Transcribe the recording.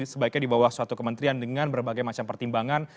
sebaiknya di bawah suatu kementerian dengan berbagai macam pertimbangan